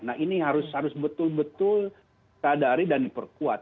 nah ini harus betul betul sadari dan diperkuat